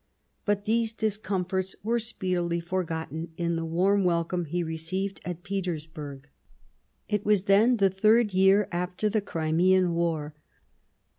But these discomforts were speedily forgotten in the warm welcome he received at Petersburg. 4^ The First Passage of Arms It was then the third year after the Crimean War.